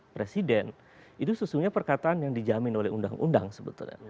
presiden itu sesungguhnya perkataan yang dijamin oleh undang undang sebetulnya